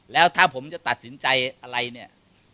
แล้วถ้าผมจะตัดสินใจอะไรเนี่ย